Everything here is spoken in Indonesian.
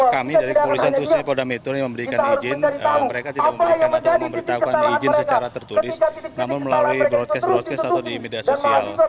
kami dari kepolisian tusunipoda metro memberikan izin mereka tidak memberikan atau memberitahukan izin secara tertulis